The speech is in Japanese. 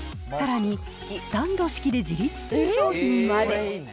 さらに、スタンド式で自立する商品まで。